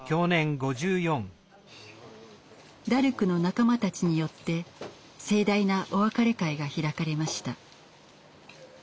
ダルクの仲間たちによって盛大なお別れ会が開かれました。